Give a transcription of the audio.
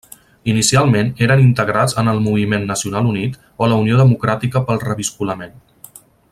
Inicialment eren integrats en el Moviment Nacional Unit o la Unió Democràtica pel Reviscolament.